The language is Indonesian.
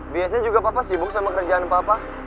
biasanya juga papa sibuk sama kerjaan papa